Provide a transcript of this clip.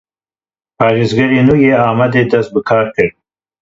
Parêzgarê nû yê Amedê dest bi kar kir.